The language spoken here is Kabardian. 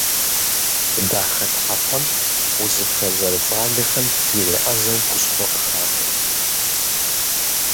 Дахэтхьэпэм узыфэ зэрыцӏалэхэм иреӏэзэу хущхъуэ къыхах.